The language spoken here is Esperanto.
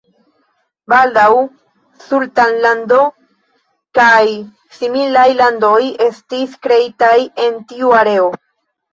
Baldaŭ sultanlando kaj similaj landoj estis kreitaj en tiu areo.